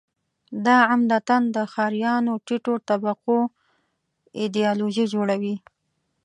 دا عمدتاً د ښاریانو ټیټو طبقو ایدیالوژي جوړوي.